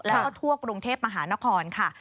แล้วก็ทั่วกรุงเทพมหานครค่ะ